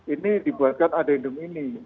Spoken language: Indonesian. ini dibuatkan adedum ini